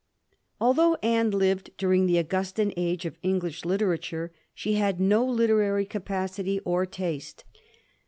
Although Anne lived during the Augustan age of English literature, she had no literary capacity or taste.